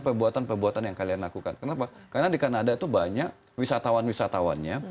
perbuatan perbuatan yang kalian lakukan kenapa karena di kanada itu banyak wisatawan wisatawannya